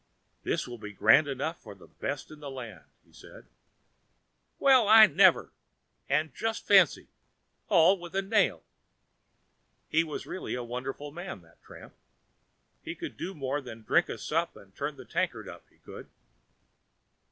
"This will be grand enough for the best in the land," he said. "Well, I never!" said the woman; "and just fancy—all with a nail!" He was really a wonderful man, that tramp! He could do more than drink a sup and turn the tankard up, he could.